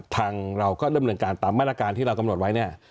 ทางเราก็เริ่มเรื่องการตามบรรณาการที่เรากำหนดไว้เนี่ย